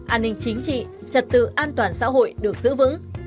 an ninh chính trị trật tự an toàn xã hội được giữ vững